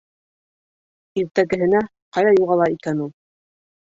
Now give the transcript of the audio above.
Иртәгеһенә ҡайҙа юғала икән ул?